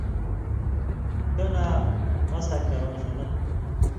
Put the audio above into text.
کناں مسح کَرٶں سنت تھُو۔